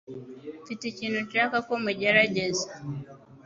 Mfite ikintu nshaka ko mugerageza